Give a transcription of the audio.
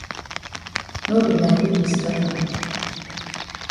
No be na you be stat am.